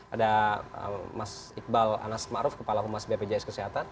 ada mas iqbal anas ma'ruf kepala humas bpjs kesehatan